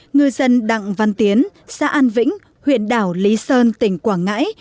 ngư dân đặng văn tiến xã an vĩnh huyện đảo lý sơn tỉnh quảng ngãi